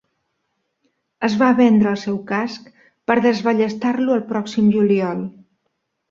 Es va vendre el seu casc per desballestar-lo el pròxim juliol.